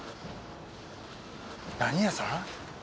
何屋さん？